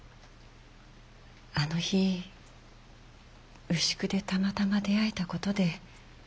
あの日牛久でたまたま出会えたことで今があります。